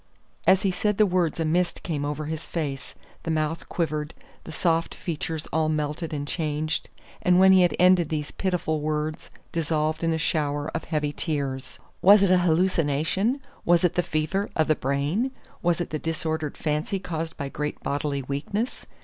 '" As he said the words a mist came over his face, the mouth quivered, the soft features all melted and changed, and when he had ended these pitiful words, dissolved in a shower of heavy tears. Was it a hallucination? Was it the fever of the brain? Was it the disordered fancy caused by great bodily weakness?